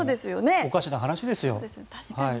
おかしな話ですよ。